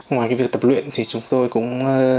ngoài việc tập luyện chúng tôi cũng